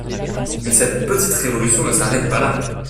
Mais cette petite révolution ne s'arrête pas là.